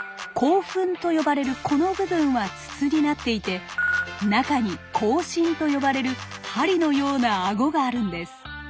「口吻」と呼ばれるこの部分は筒になっていて中に「口針」と呼ばれる針のような顎があるんです。